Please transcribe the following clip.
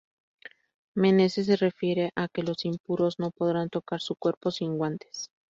Menezes se refiere a que los "impuros" no podrán tocar su cuerpo "sin guantes".